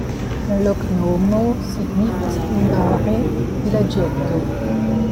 La loknomo signifas hungare: vilaĝeto.